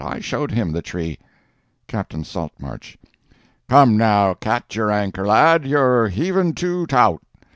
I showed him the tree." Captain Saltmarsh.—"Come, now, cat your anchor, lad—you're heaving too taut.